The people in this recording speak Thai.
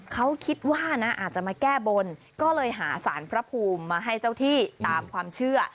เขาคิดว่านะอาจจะมาแก้บนก็เลยหาสารพระภูมิมาให้เจ้าที่ตามความเชื่อ